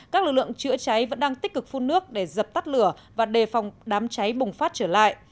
các lực lượng chữa cháy vẫn đang tích cực phun nước để dập tắt lửa và đề phòng đám cháy bùng phát trở lại